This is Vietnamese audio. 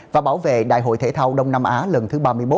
và bảo vệ đại hội thể thao đông nam á lần thứ ba mươi một